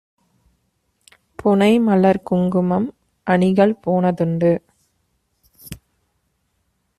புனைமலர்குங் குமம்அணிகள் போனதுண்டு;